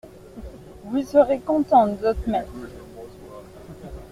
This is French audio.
Vous serez content, not' maître ….